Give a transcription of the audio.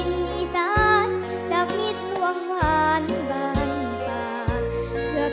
ทิ้งอีซานจากมิตรหวังผ่านบ้านป่า